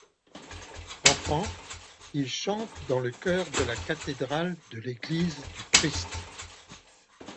Enfant, il chante dans le chœur de la cathédrale de l’Église du Christ.